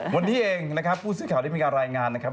วันนี้เองนะครับผู้สื่อข่าวได้มีการรายงานนะครับ